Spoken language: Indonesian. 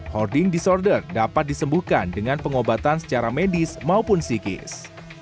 hoarding disorder dapat disembuhkan dengan pengobatan secara medis maupun psikis